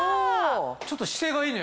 ちょっと姿勢がいいね。